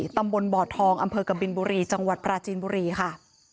ตำบลบ่อทองอำเภอกบินบุรีจังหวัดปราจีนบุรีค่ะ